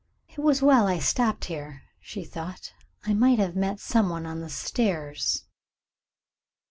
"It was well I stopped here," she thought; "I might have met someone on the stairs."